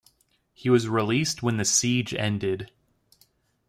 He was released when the siege ended.